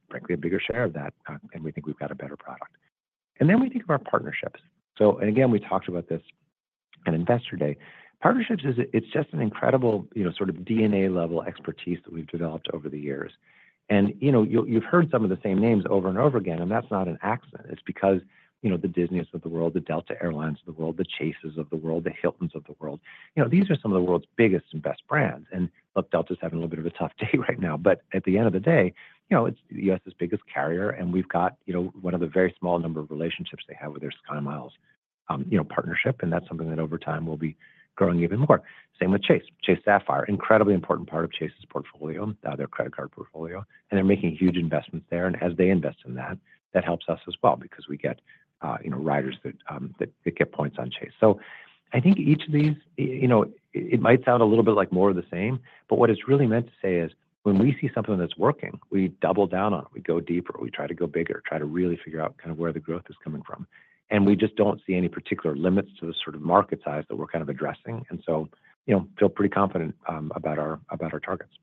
frankly, a bigger share of that, and we think we've got a better product. Then we think of our partnerships. And again, we talked about this in Investor Day. Partnerships is. It's just an incredible, you know, sort of DNA-level expertise that we've developed over the years. And, you know, you've heard some of the same names over and over again, and that's not an accident. It's because, you know, the Disneys of the world, the Delta Air Lines of the world, the Chases of the world, the Hiltons of the world, you know, these are some of the world's biggest and best brands. And look, Delta's having a little bit of a tough day right now, but at the end of the day, you know, it's U.S.'s biggest carrier, and we've got, you know, one of the very small number of relationships they have with their SkyMiles, you know, partnership, and that's something that over time will be growing even more. Same with Chase. Chase Sapphire, incredibly important part of Chase's portfolio, their credit card portfolio, and they're making huge investments there. And as they invest in that, that helps us as well because we get, you know, riders that that get points on Chase. I think each of these, you know, it might sound a little bit like more of the same, but what it's really meant to say is, when we see something that's working, we double down on it, we go deeper, we try to go bigger, try to really figure out kind of where the growth is coming from. We just don't see any particular limits to the sort of market size that we're kind of addressing, and so, you know, feel pretty confident about our targets. ...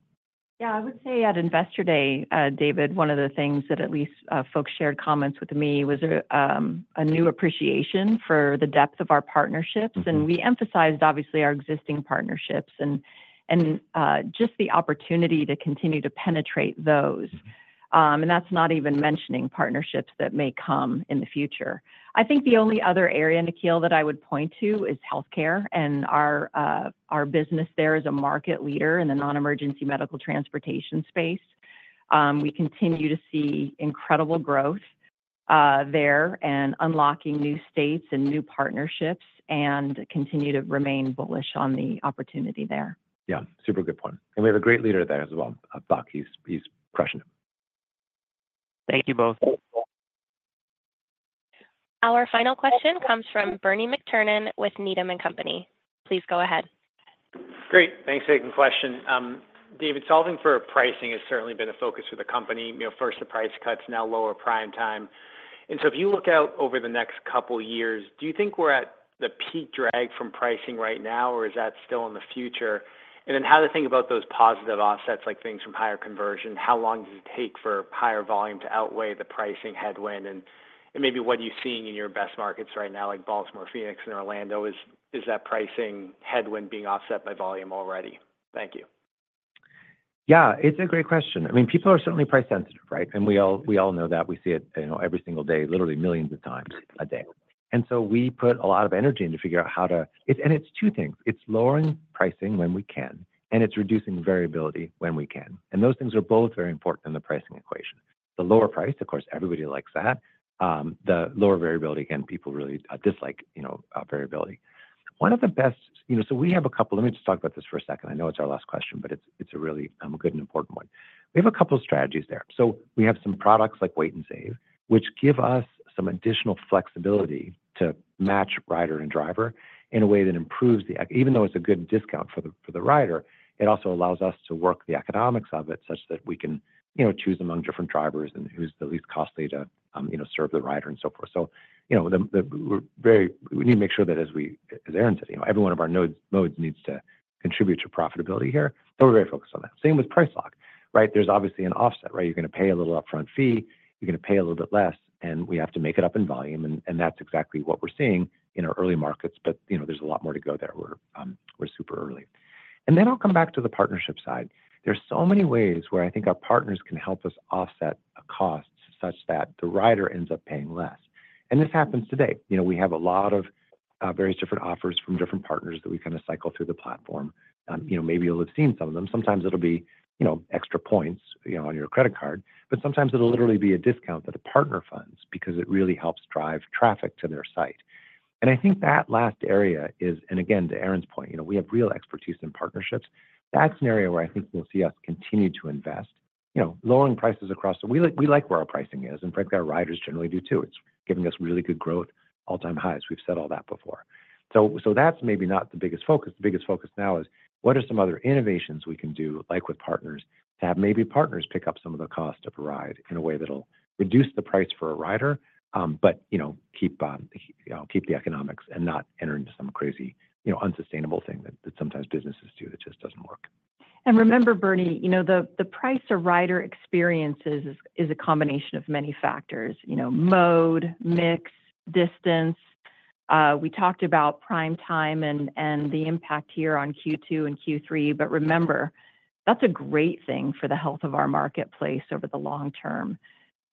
Yeah, I would say at Investor Day, David, one of the things that at least folks shared comments with me was a new appreciation for the depth of our partnerships. Mm-hmm. And we emphasized, obviously, our existing partnerships and just the opportunity to continue to penetrate those. And that's not even mentioning partnerships that may come in the future. I think the only other area, Nikhil, that I would point to is healthcare and our business there is a market leader in the non-emergency medical transportation space. We continue to see incredible growth there and unlocking new states and new partnerships, and continue to remain bullish on the opportunity there. Yeah, super good point. And we have a great leader there as well, Buck. He's, he's crushing it. Thank you both. Our final question comes from Bernie McTernan with Needham & Company. Please go ahead. Great. Thanks. Great question. David, solving for pricing has certainly been a focus for the company. You know, first, the price cuts, now lower Prime Time. And so if you look out over the next couple of years, do you think we're at the peak drag from pricing right now, or is that still in the future? And then how to think about those positive offsets, like things from higher conversion, how long does it take for higher volume to outweigh the pricing headwind? And maybe what are you seeing in your best markets right now, like Baltimore, Phoenix, and Orlando, is that pricing headwind being offset by volume already? Thank you. Yeah, it's a great question. I mean, people are certainly price sensitive, right? And we all, we all know that. We see it, you know, every single day, literally millions of times a day. And so we put a lot of energy in to figure out how to, and it's two things: it's lowering pricing when we can, and it's reducing variability when we can. And those things are both very important in the pricing equation. The lower price, of course, everybody likes that. The lower variability, again, people really dislike, you know, variability. One of the best, you know, so we have a couple. Let me just talk about this for a second. I know it's our last question, but it's, it's a really, a good and important one. We have a couple of strategies there. So we have some products like Wait & Save, which give us some additional flexibility to match rider and driver in a way that improves the even though it's a good discount for the rider, it also allows us to work the economics of it such that we can, you know, choose among different drivers and who's the least costly to, you know, serve the rider and so forth. So, you know, we're very we need to make sure that as we, as Erin said, you know, every one of our modes needs to contribute to profitability here, and we're very focused on that. Same with Price Lock, right? There's obviously an offset, right? You're going to pay a little upfront fee, you're going to pay a little bit less, and we have to make it up in volume, and, and that's exactly what we're seeing in our early markets. But, you know, there's a lot more to go there. We're, we're super early. And then I'll come back to the partnership side. There's so many ways where I think our partners can help us offset costs such that the rider ends up paying less. And this happens today. You know, we have a lot of various different offers from different partners that we kind of cycle through the platform. You know, maybe you'll have seen some of them. Sometimes it'll be, you know, extra points, you know, on your credit card, but sometimes it'll literally be a discount that a partner funds because it really helps drive traffic to their site. And I think that last area is... And again, to Erin's point, you know, we have real expertise in partnerships. That's an area where I think you'll see us continue to invest. You know, lowering prices across the - we like, we like where our pricing is, and frankly, our riders generally do, too. It's giving us really good growth, all-time highs. We've said all that before. So, so that's maybe not the biggest focus. The biggest focus now is: what are some other innovations we can do, like with partners, to have maybe partners pick up some of the cost of a ride in a way that'll reduce the price for a rider, but, you know, keep, you know, keep the economics and not enter into some crazy, you know, unsustainable thing that sometimes businesses do that just doesn't work. And remember, Bernie, you know, the price a rider experiences is a combination of many factors. You know, mode, mix, distance. We talked about Prime Time and the impact here on Q2 and Q3, but remember, that's a great thing for the health of our marketplace over the long term.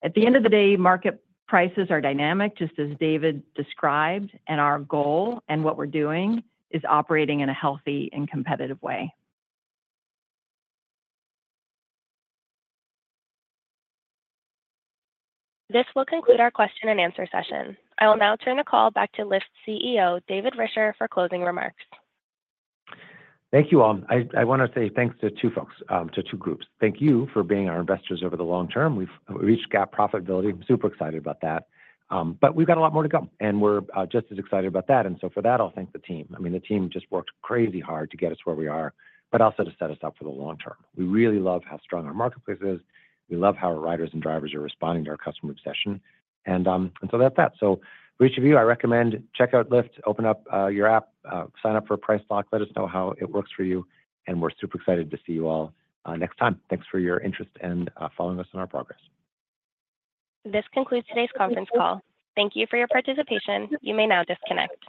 At the end of the day, market prices are dynamic, just as David described, and our goal and what we're doing is operating in a healthy and competitive way. This will conclude our question and answer session. I will now turn the call back to Lyft's CEO, David Risher, for closing remarks. Thank you, all. I want to say thanks to two folks, to two groups. Thank you for being our investors over the long term. We've reached GAAP profitability. I'm super excited about that. But we've got a lot more to come, and we're just as excited about that. And so for that, I'll thank the team. I mean, the team just worked crazy hard to get us where we are, but also to set us up for the long term. We really love how strong our marketplace is. We love how our riders and drivers are responding to our customer obsession. And, and so that's that. So for each of you, I recommend check out Lyft, open up your app, sign up for Price Lock, let us know how it works for you, and we're super excited to see you all next time. Thanks for your interest and following us on our progress. This concludes today's conference call. Thank you for your participation. You may now disconnect.